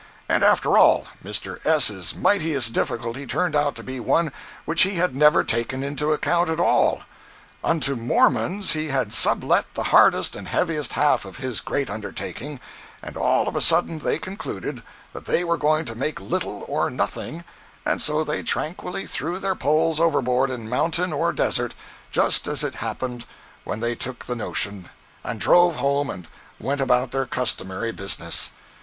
And after all, Mr. S.'s mightiest difficulty turned out to be one which he had never taken into the account at all. Unto Mormons he had sub let the hardest and heaviest half of his great undertaking, and all of a sudden they concluded that they were going to make little or nothing, and so they tranquilly threw their poles overboard in mountain or desert, just as it happened when they took the notion, and drove home and went about their customary business!